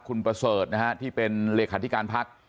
คุณประเสริฐนะฮะที่เป็นเลขาธิการพัก